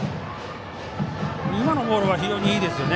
今のボールは非常にいいです。